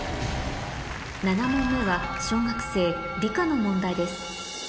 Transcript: ７問目は小学生理科の問題です